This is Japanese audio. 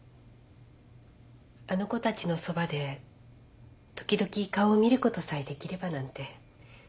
あの子たちのそばで時々顔を見ることさえできればなんて